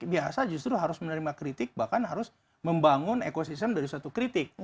biasa justru harus menerima kritik bahkan harus membangun ekosistem dari suatu kritik